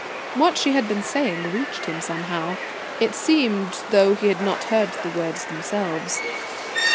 What she had been saying reached him somehow, it seemed, though he had not heard the words themselves.